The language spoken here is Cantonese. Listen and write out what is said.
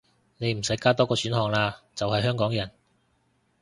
你唔使加多個選項喇，就係香港人